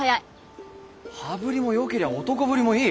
羽振りもよけりゃ男ぶりもいい。